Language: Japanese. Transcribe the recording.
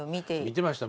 見てました